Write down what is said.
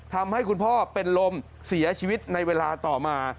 ทำให้คุณพ่อเป็นลมเสียชีวิตในเวลาต่อมา